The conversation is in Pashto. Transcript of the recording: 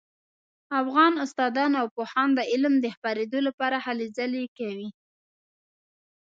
افغان استادان او پوهان د علم د خپریدو لپاره هلې ځلې کوي